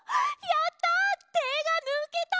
やった！